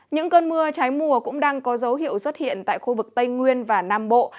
những cơn mưa trái mùa cũng đang có dấu hiệu xuất hiện tại khu vực tây nguyên và nam bộ